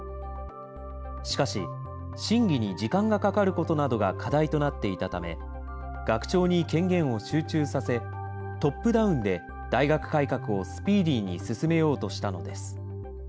しかし、審議に時間がかかることなどが課題となっていたため、学長に権限を集中させ、トップダウンで、大学改革をスピーディーに進めようとしたのです。